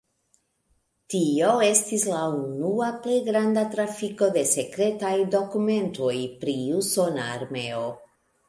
Tio estis la unua plej granda trafiko de sekretaj dokumentoj pri usona armeo.